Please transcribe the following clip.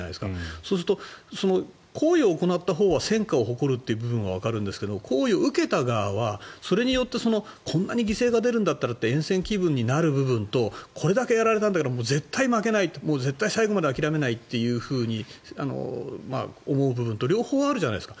そうすると行為を行ったほうは戦果を誇るというのはわかるんですけど行為を受けた側はそれによってこんな被害が出るんならとえん戦機運になるのとこれだけやられたんだから絶対に負けない絶対に最後まで諦めないって思う部分と両方あるじゃないですか。